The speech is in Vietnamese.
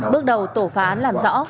bước đầu tổ phá án làm rõ